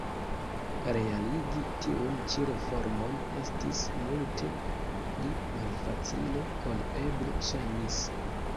Realigi tiun ĉi reformon estis multe pli malfacile ol eble ŝajnis.